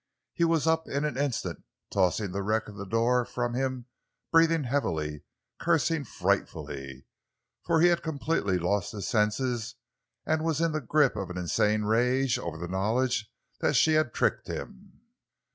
He was up in an instant, tossing the wreck of the door from him, breathing heavily, cursing frightfully; for he had completely lost his senses and was in the grip of an insane rage over the knowledge that she had tricked him.